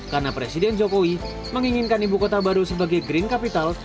karena presiden jokowi menginginkan ibu kota baru sebagai green capital